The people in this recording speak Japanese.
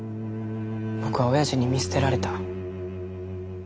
僕はおやじに見捨てられた。